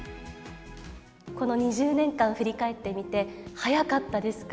この２０年間、振り返ってみて、早かったですか？